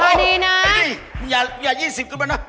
ไอ้นี่อย่ายี่สิบขึ้นมานะ